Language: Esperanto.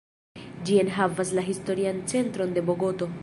Ĝi enhavas la historian centron de Bogoto.